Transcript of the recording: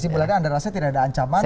jadi anda rasa tidak ada ancaman